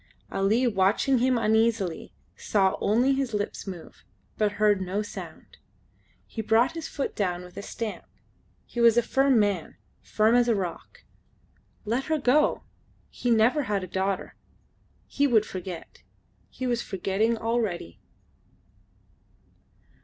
Ali watching him uneasily saw only his lips move, but heard no sound. He brought his foot down with a stamp. He was a firm man firm as a rock. Let her go. He never had a daughter. He would forget. He was forgetting already.